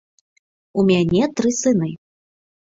У мяне тры сыны.